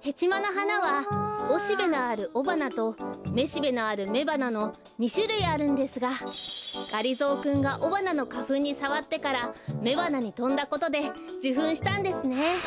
ヘチマのはなはおしべのあるおばなとめしべのあるめばなの２しゅるいあるんですががりぞーくんがおばなのかふんにさわってからめばなにとんだことでじゅふんしたんですね！